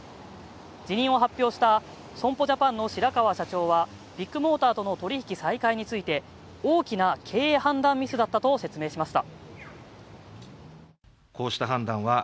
辞任を発表した損保ジャパンの白川社長はビッグモーターとの取引再開について大きな経営判断ミスだっと説明しました。